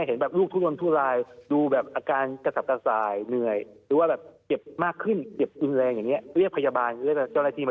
เป็นเรื่องปกตินะ